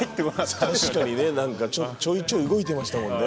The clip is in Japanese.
確かにね何かちょいちょい動いてましたもんね。